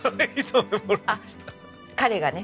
あっ彼がね。